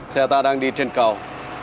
xe ta đang đi trên cầu